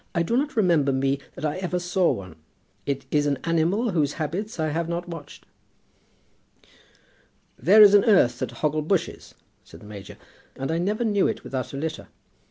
I do not remember me that I ever saw one. It is an animal whose habits I have not watched." "There is an earth at Hoggle Bushes," said the major; "and I never knew it without a litter."